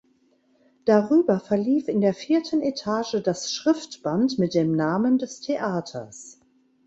Darüber verlief in der vierten Etage das Schriftband mit dem Namen des Theaters.